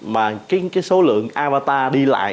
mà cái số lượng avatar đi lại